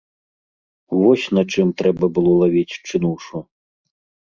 Вось на чым трэба было лавіць чынушу!